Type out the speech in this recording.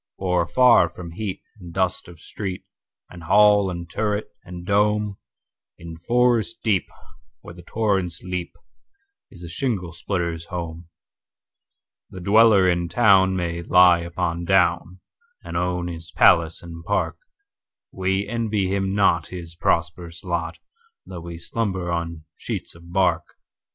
For afar from heat and dust of street, And hall and turret, and dome, In forest deep, where the torrents leap, Is the shingle splitter's home. The dweller in town may lie upon down, And own his palace and park:We envy him not his prosperous lot, Though we slumber on sheets of bark.